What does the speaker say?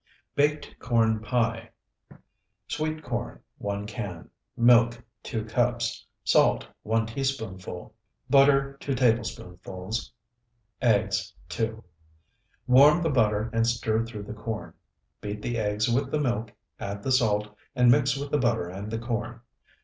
BAKED CORN PIE Sweet corn, 1 can. Milk, 2 cups. Salt, 1 teaspoonful. Butter, 2 tablespoonfuls. Eggs, 2. Warm the butter and stir through the corn; beat the eggs with the milk, add the salt, and mix with the butter and the corn.